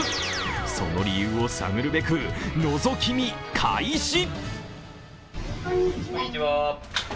その理由を探るべく、のぞき見開始。